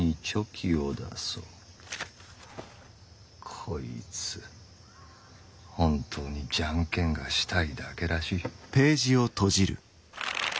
こいつ本当に「ジャンケン」がしたいだけらしい。